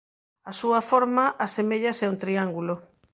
A súa forma aseméllase a un triángulo.